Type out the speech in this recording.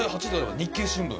日経新聞。